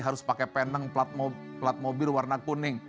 harus pakai penang pelat mobil warna kuning